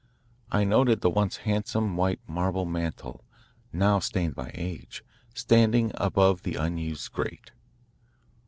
I noted the once handsome white marble mantel, now stained by age, standing above the unused grate.